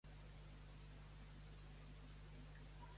Xavier Villacrosse va ser un arquitecte romanès nascut a Catalunya.